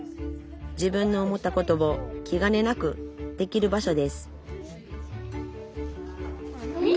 自分の思ったことをきがねなくできる場所です